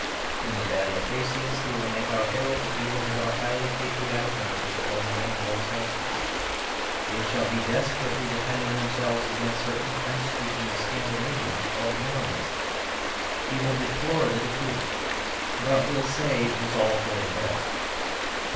In the Battle of Hastings he will make out Harold to be the head of a highly patriotic nation called the "Anglo Saxons"; they shall be desperately defending themselves against certain French speaking Scandinavians called Normans. He will deplore the defeat, but will say it was all for the best.